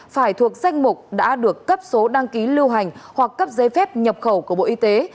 phải thuộc danh mục đã được cấp số đăng ký lưu hành hoặc cấp giấy phép nhập khẩu của bộ y tế